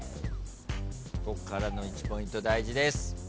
ここからの１ポイント大事です。